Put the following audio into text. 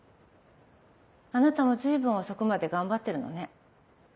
あなたも随分遅くまで頑張ってるのね。